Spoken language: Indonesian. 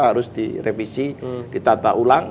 harus direvisi ditata ulang